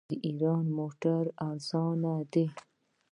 د ایران موټرې ارزانه دي.